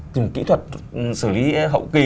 dùng kỹ thuật xử lý hậu kỳ